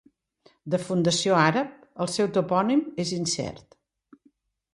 De fundació àrab, el seu topònim és incert.